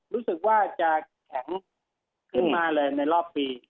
รู้สึกว่าจะแข็งขึ้นมาเลยในรอบปี